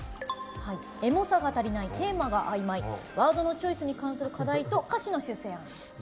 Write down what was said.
エモさが足りないテーマがあいまいワードのチョイスに関する課題と歌詞の修正案。